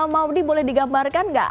maudie boleh digambarkan nggak